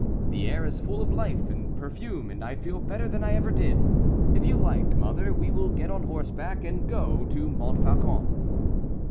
The air is full of life and perfume, and I feel better than I ever did. If you like, mother, we will get on horseback and go to Montfaucon."